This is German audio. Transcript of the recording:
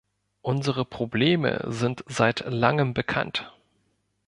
Unsere Probleme sind seit langem bekannt.